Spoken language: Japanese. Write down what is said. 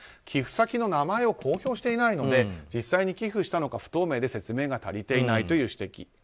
寄付先の名前を公表していないので実際に寄付したのか不透明で説明が足りていないという指摘。